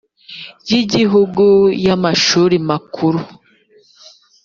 y igihugu y amashuri makuru